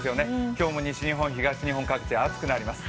今日も西日本、東日本各地暑くなります。